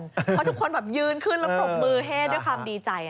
เพราะทุกคนแบบยืนขึ้นแล้วปรบมือให้ด้วยความดีใจ